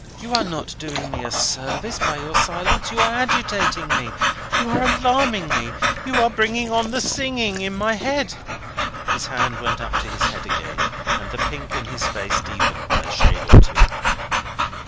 You are not doing me a service by your silence. You are agitating me, you are alarming me, you are bringing on the singing in my head." His hand went up to his head again, and the pink in his face deepened by a shade or two.